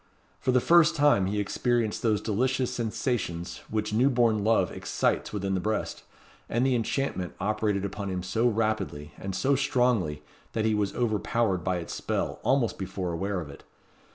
For the first time he experienced those delicious sensations which new born love excites within the breast; and the enchantment operated upon him so rapidly and so strongly, that he was overpowered by its spell almost before aware of it.